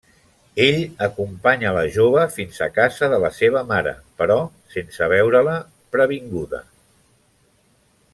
Ell acompanya la jove fins a casa de la seva mare però sense veure-la, previnguda.